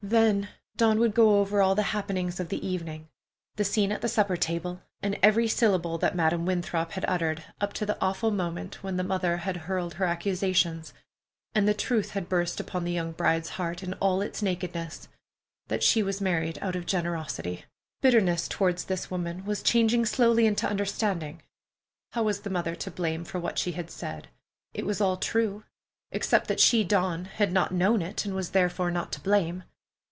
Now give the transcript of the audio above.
Then Dawn would go over all the happenings of the evening: the scene at the supper table, and every syllable that Madam Winthrop had uttered, up to the awful moment when the mother had hurled her accusations, and the truth had burst upon the young bride's heart in all its nakedness: that she was married out of generosity! Bitterness toward this woman was changing slowly into understanding. How was the mother to blame for what she had said? It was all true, except that she, Dawn, had not known it, and was therefore not to blame.